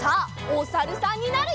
おさるさん。